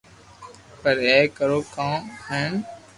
پر اپي ڪرو ڪاو ھين